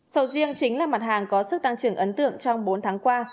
sầu riêng chính là mặt hàng có sức tăng trưởng ấn tượng trong bốn tháng qua